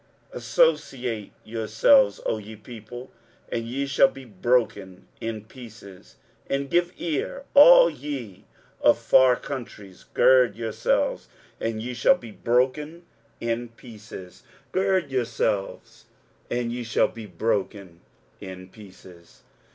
23:008:009 Associate yourselves, O ye people, and ye shall be broken in pieces; and give ear, all ye of far countries: gird yourselves, and ye shall be broken in pieces; gird yourselves, and ye shall be broken in pieces.